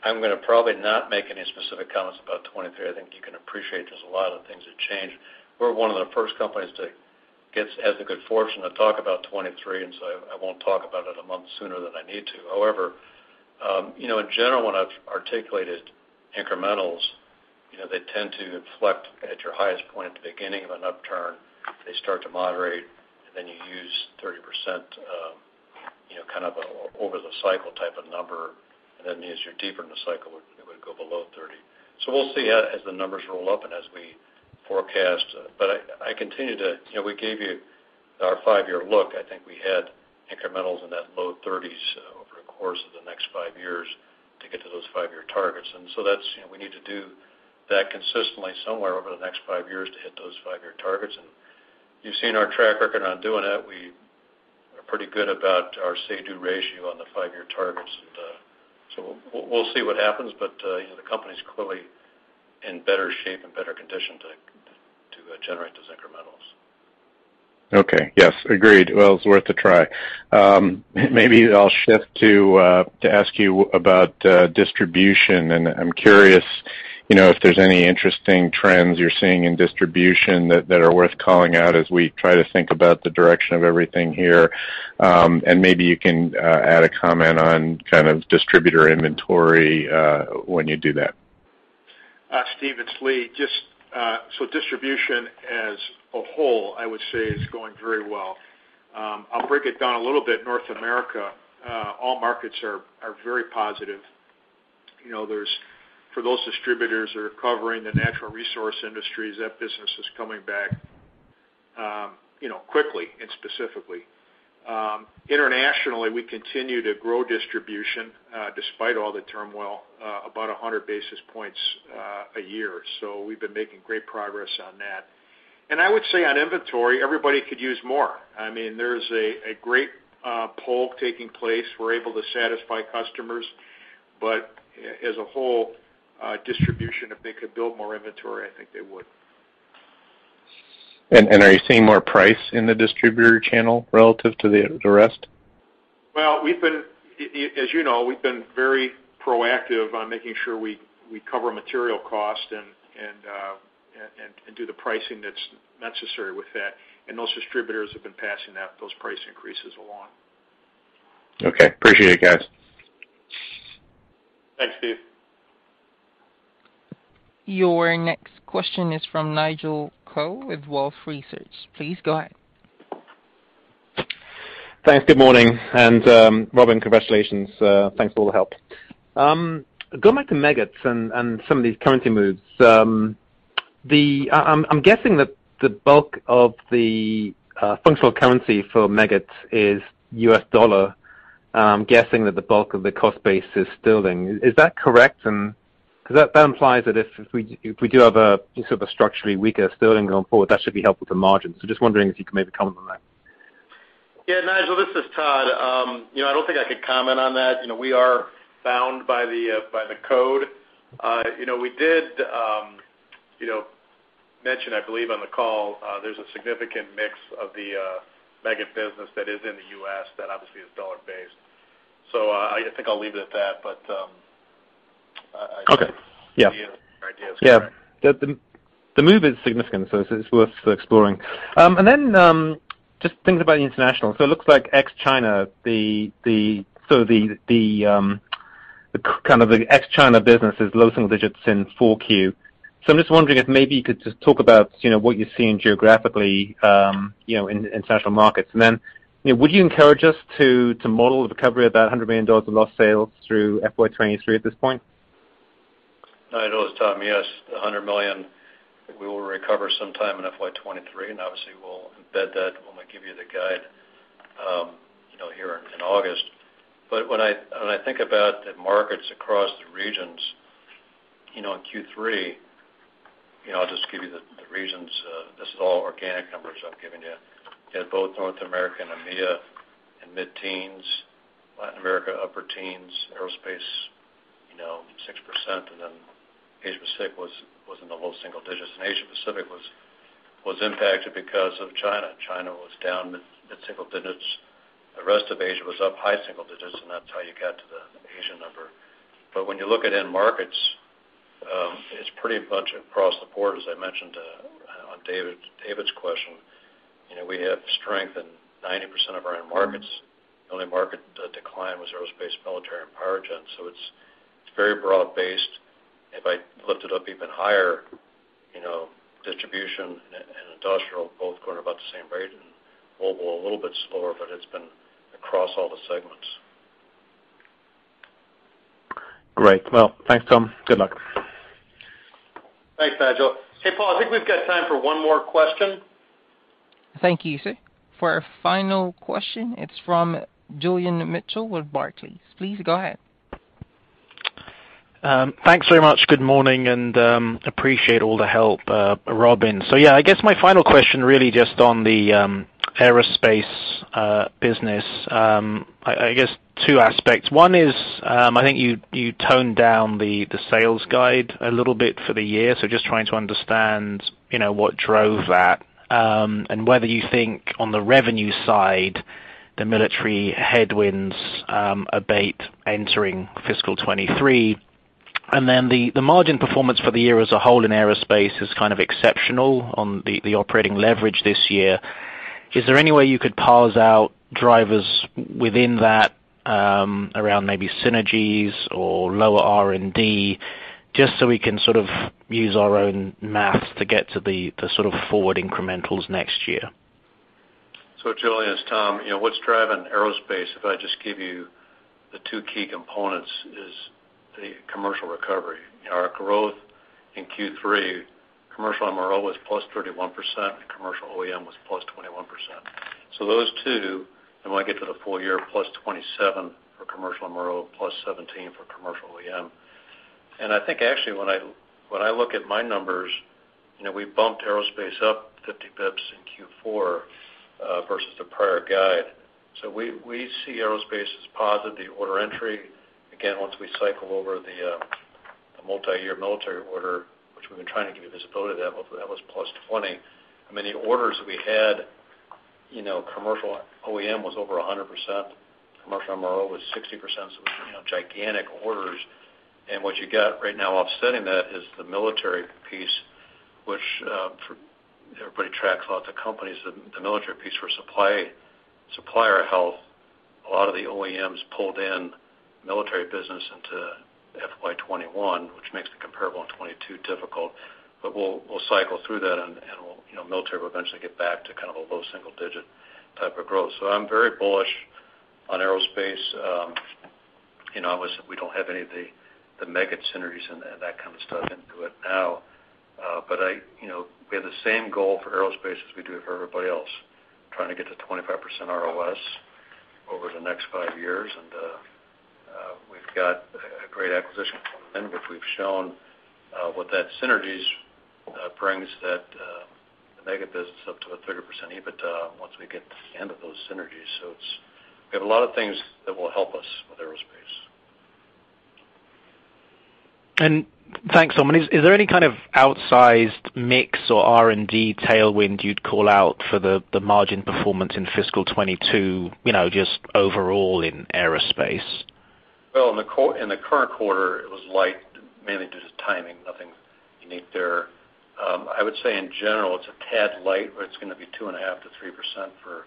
I'm gonna probably not make any specific comments about 2023. I think you can appreciate there's a lot of things that change. We're one of the first companies that has the good fortune to talk about 2023, and I won't talk about it a month sooner than I need to. However, you know, in general, when I've articulated incrementals, you know, they tend to inflect at your highest point at the beginning of an upturn. They start to moderate, and then you use 30%, you know, kind of a over the cycle type of number. That means you're deeper in the cycle, it would go below 30%. We'll see as the numbers roll up and as we forecast. I continue to. You know, we gave you our five-year look. I think we had incrementals in that low thirties over the course of the next five years to get to those five-year targets. That's, you know, we need to do that consistently somewhere over the next five years to hit those five-year targets. You've seen our track record on doing that. We are pretty good about our say-do ratio on the five-year targets. We'll see what happens, but you know, the company's clearly in better shape and better condition to generate those incrementals. Okay. Yes, agreed. Well, it's worth a try. Maybe I'll shift to ask you about distribution. I'm curious, you know, if there's any interesting trends you're seeing in distribution that are worth calling out as we try to think about the direction of everything here. Maybe you can add a comment on kind of distributor inventory when you do that. Steve, it's Lee. Just, distribution as a whole, I would say, is going very well. I'll break it down a little bit. North America, all markets are very positive. You know, there's for those distributors that are covering the natural resource industries, that business is coming back, you know, quickly and specifically. Internationally, we continue to grow distribution despite all the turmoil about 100 basis points a year. We've been making great progress on that. I would say on inventory, everybody could use more. I mean, there's a great pull taking place. We're able to satisfy customers. But as a whole, distribution, if they could build more inventory, I think they would. Are you seeing more price in the distributor channel relative to the rest? Well, as you know, we've been very proactive on making sure we cover material cost and do the pricing that's necessary with that. Those distributors have been passing those price increases along. Okay. Appreciate it, guys. Thanks, Steve. Your next question is from Nigel Coe with Wolfe Research. Please go ahead. Thanks. Good morning. Robin, congratulations. Thanks for all the help. Going back to Meggitt's and some of these currency moves. I'm guessing that the bulk of the functional currency for Meggitt is U.S. dollar. I'm guessing that the bulk of the cost base is sterling. Is that correct? 'Cause that implies that if we do have a sort of a structurally weaker sterling going forward, that should be helpful to margins. Just wondering if you could maybe comment on that. Yeah, Nigel, this is Todd. You know, I don't think I could comment on that. You know, we are bound by the code. You know, we did mention, I believe, on the call, there's a significant mix of the Meggitt business that is in the U.S. that obviously is dollar-based. So, I just think, I'll leave it at that, but Okay. Yeah. Your idea is correct. Yeah. The move is significant, so it's worth exploring. Just thinking about the international. It looks like ex-China, the ex-China business is low single digits in 4Q. I'm just wondering if maybe you could just talk about, you know, what you're seeing geographically, you know, in end markets. You know, would you encourage us to model the recovery of that $100 million of lost sales through FY23 at this point? Nigel, it's Tom. Yes, $100 million we will recover sometime in FY23, and obviously we'll embed that when we give you the guide, you know, here in August. When I think about the markets across the regions, you know, in Q3, you know, I'll just give you the regions. This is all organic numbers I'm giving you. You had both North America and EMEA in mid-teens%, Latin America upper teens%, aerospace, you know, 6%, and then Asia-Pacific was in the low single digits%. Asia-Pacific was impacted because of China. China was down mid-single digits%. The rest of Asia was up high single digits%, and that's how you got to the. When you look at end markets, it's pretty much across the board, as I mentioned, on David's question. You know, we have strength in 90% of our end markets. The only market that declined was aerospace, military, and power gen. It's very broad-based. If I lift it up even higher, you know, distribution and industrial both growing about the same rate, and mobile a little bit slower, but it's been across all the segments. Great. Well, thanks, Tom. Good luck. Thanks, Nigel. Hey, Paul, I think we've got time for one more question. Thank you, sir. For our final question, it's from Julian Mitchell with Barclays. Please go ahead. Thanks very much, good morning, and appreciate all the help, Robin. Yeah, I guess my final question really just on the aerospace business. I guess two aspects. One is, I think you toned down the sales guide a little bit for the year, so just trying to understand, you know, what drove that, and whether you think on the revenue side, the military headwinds abate entering FY23. Then the margin performance for the year as a whole in aerospace is kind of exceptional on the operating leverage this year. Is there any way you could parse out drivers within that, around maybe synergies or lower R&D, just so we can sort of use our own math to get to the sort of forward incrementals next year? Julian Mitchell, it's Tom. You know, what's driving aerospace, if I just give you the two key components, is the commercial recovery. Our growth in Q3, commercial MRO was +31%, and commercial OEM was +21%. Those two, and when I get to the full-year, +27% for commercial MRO, +17% for commercial OEM. I think actually when I look at my numbers, you know, we bumped aerospace up 50 basis points in Q4 versus the prior guide. We see aerospace as positive. The order entry, again, once we cycle over the multi-year military order, which we've been trying to give you visibility to that, but that was +20%. I mean, the orders we had, you know, commercial OEM was over 100%. Commercial MRO was 60%, so it was, you know, gigantic orders. What you got right now offsetting that is the military piece, which, for everybody tracks lots of companies, the military piece for supplier health. A lot of the OEMs pulled in military business into FY21, which makes the comparable in 2022 difficult. We'll cycle through that, and we'll you know military will eventually get back to kind of a low single digit type of growth. I'm very bullish on aerospace. You know, obviously we don't have any of the mega synergies and that kind of stuff into it now. But you know we have the same goal for aerospace as we do for everybody else, trying to get to 25% ROS over the next five years. We've got a great acquisition coming in, which we've shown what those synergies bring to the Meggitt business up to a 30% EBITDA once we get to the end of those synergies. We have a lot of things that will help us with aerospace. Thanks, Tom. Is there any kind of outsized mix or R&D tailwind you'd call out for the margin performance in FY22, you know, just overall in aerospace? Well, in the current quarter, it was light mainly due to timing, nothing unique there. I would say in general, it's a tad light, but it's gonna be 2.5%-3% for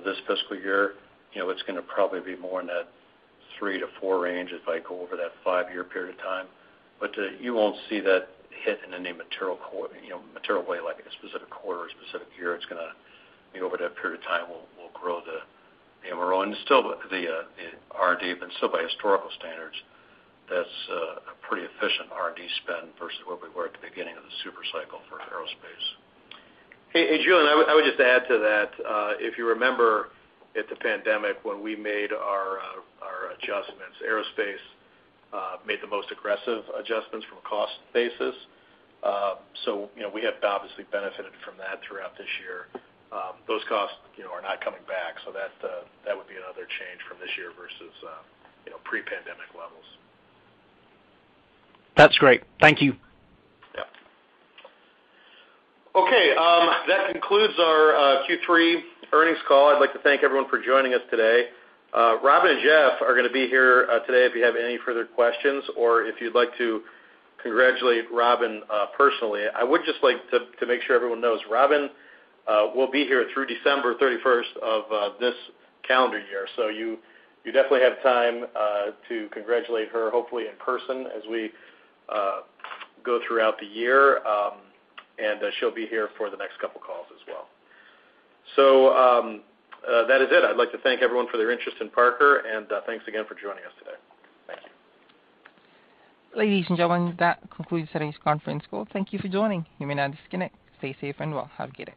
this fiscal year. You know, it's gonna probably be more in that 3%-4% range if I go over that five-year period of time. You won't see that hit in any material way, like a specific quarter or specific year. It's gonna be over that period of time, we'll grow the MRO. Still with the R&D, but still by historical standards, that's a pretty efficient R&D spend versus where we were at the beginning of the super cycle for aerospace. Hey, Julian, I would just add to that. If you remember during the pandemic when we made our adjustments, aerospace made the most aggressive adjustments from a cost basis. So, you know, we have obviously benefited from that throughout this year. Those costs, you know, are not coming back, so that would be another change from this year versus pre-pandemic levels. That's great. Thank you. Yeah. Okay, that concludes our Q3 earnings call. I'd like to thank everyone for joining us today. Robin and Jeff are gonna be here today if you have any further questions or if you'd like to congratulate Robin personally. I would just like to make sure everyone knows Robin will be here through December 31st of this calendar year. You definitely have time to congratulate her, hopefully in person as we go throughout the year, and she'll be here for the next couple calls as well. That is it. I'd like to thank everyone for their interest in Parker, and thanks again for joining us today. Thank you. Ladies and gentlemen, that concludes today's conference call. Thank you for joining. You may now disconnect. Stay safe and well. Have a good day.